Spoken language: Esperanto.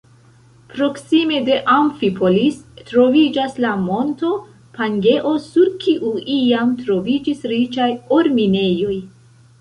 Proksime de Amfipolis troviĝas la monto Pangeo, sur kiu iam troviĝis riĉaj or-minejoj.